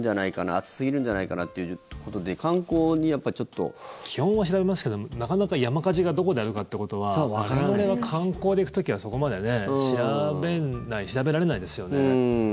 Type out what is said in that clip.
暑すぎるんじゃないかなっていうことで基本は調べますけどなかなか山火事がどこであるかってことは我々が観光で行く時はそこまで調べない調べられないですよね。